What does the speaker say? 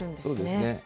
そうですね。